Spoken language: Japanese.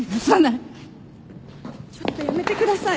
ちょっとやめてください。